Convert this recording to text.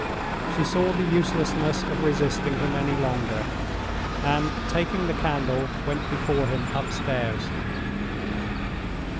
She saw the uselessness of resisting him any longer; and, taking the candle, went before him upstairs.